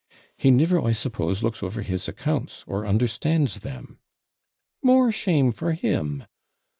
'He never, I suppose, looks over his accounts, or understands them.' 'More shame for him!'